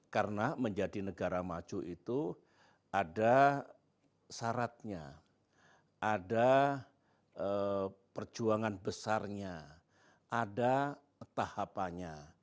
karena menjadi negara maju itu ada syaratnya ada perjuangan besarnya ada tahapannya